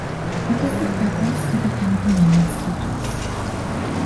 What does the preface to the ten commandments teach us?